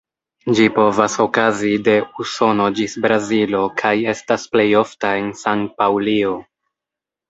Ĝi povas okazi de Usono ĝis Brazilo kaj estas plej ofta en San-Paŭlio.